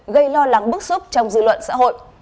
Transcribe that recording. gây lo lắng bức xúc trong dư luận xã hội